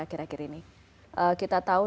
akhir akhir ini kita tahu